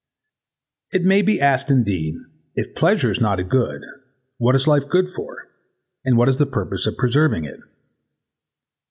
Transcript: It may be asked indeed, if pleasure is not a good, what is life good for, and what is the purpose of preserving it?